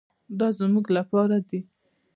دا زموږ لپاره دي.